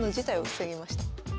防ぎました。